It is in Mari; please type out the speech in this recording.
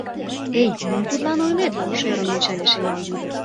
— Эй, мом тудлан ойлет! — шӧрын ончале шемалге ӱдыр.